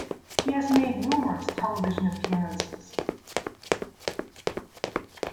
He has made numerous television appearances.